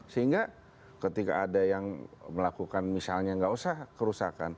sehingga ketika ada yang melakukan misalnya nggak usah kerusakan